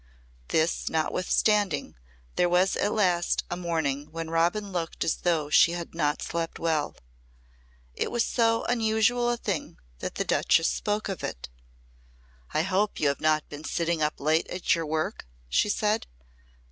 This notwithstanding, there was at last a morning when Robin looked as though she had not slept well. It was so unusual a thing that the Duchess spoke of it. "I hope you have not been sitting up late at your work?" she said.